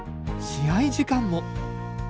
試合時間も。